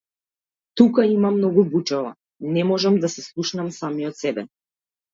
Тука има многу бучава, не можам да се слушнам самиот себе.